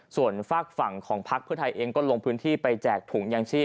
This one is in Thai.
ส่วนฝากฝั่งของพักเพื่อไทยเองก็ลงพื้นที่ไปแจกถุงยางชีพ